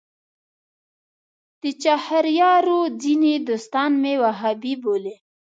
د چهاریارو ځینې دوستان مې وهابي بولي.